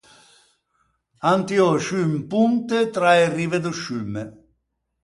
An tiou sciù un ponte tra e rive do sciumme.